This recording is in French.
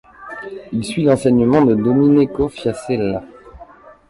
Il suit l’enseignement de Domenico Fiasella.